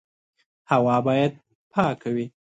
هوا باید پاکه وي.